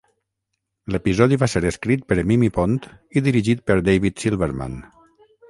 L'episodi va ser escrit per Mimi Pond i dirigit per David Silverman.